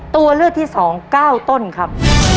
ตัวเลือกที่๒๙ต้นครับ